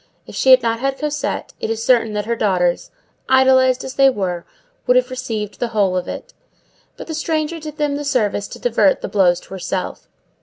If she had not had Cosette, it is certain that her daughters, idolized as they were, would have received the whole of it; but the stranger did them the service to divert the blows to herself.